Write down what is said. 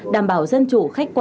đảm bảo dân chủ khách quan